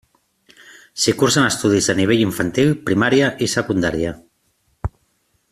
S'hi cursen estudis de nivell Infantil, Primària i Secundària.